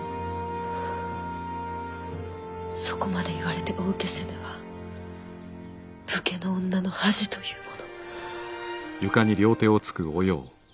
そこまで言われてお受けせぬは武家の女の恥というもの。